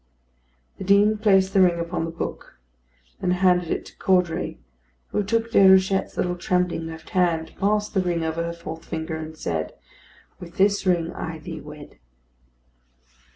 The Dean placed the ring upon the book; then handed it to Caudray, who took Déruchette's little trembling left hand, passed the ring over her fourth finger, and said: "With this ring I thee wed!"